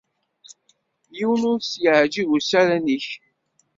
Yiwen ur s-yeεǧib usaran-ik.